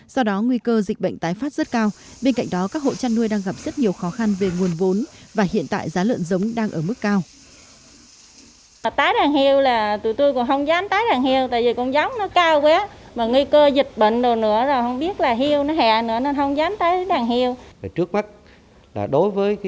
do đó nguy cơ dịch bệnh tái phát rất cao bên cạnh đó các hộ chăn nuôi đang gặp rất nhiều khó khăn về nguồn vốn và hiện tại giá lợn giống đang ở mức cao